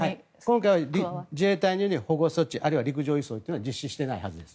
今回は自衛隊の保護措置あるいは陸上輸送は実施していないはずです。